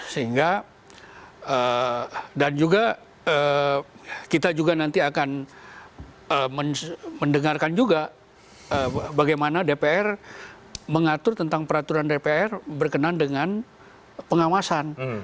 sehingga dan juga kita juga nanti akan mendengarkan juga bagaimana dpr mengatur tentang peraturan dpr berkenan dengan pengawasan